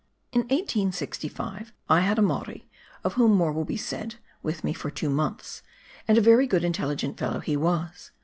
In 1865 I had a Maori (of whom more will be said) with me for two months, and a very good, intelligent fellow he was.